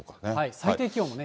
最低気温もね。